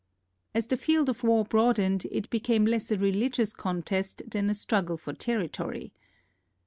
As the field of war broadened, it became less a religious con test than a struggle for territory.